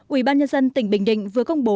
ubnd tỉnh bình định vừa công bố